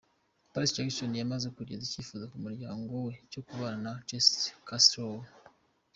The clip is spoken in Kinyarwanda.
Paris Jackson yamaze kugeza icyifuzo ku muryango we cyo kubana na Chester Castellaw.